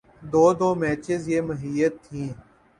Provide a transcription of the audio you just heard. دو دو میچز پہ محیط تھیں۔